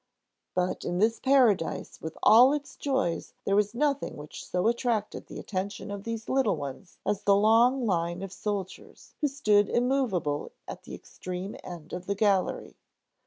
But in this paradise with all its joys there was nothing which so attracted the attention of these little ones as the long line of soldiers who stood immovable at the extreme end of the gallery.